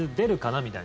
みたいな。